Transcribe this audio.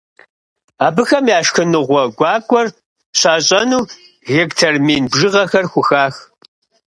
Абыхэм а шхыныгъуэ гуакӏуэр щащӏэну гектар мин бжыгъэхэр хухах.